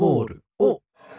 おっ。